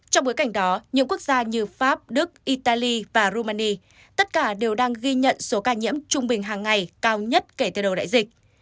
trong bối cảnh đó những quốc gia như pháp đức italy và rumania tất cả đều đang ghi nhận số ca nhiễm trung bình hàng ngày cao nhất kể từ đầu đại dịch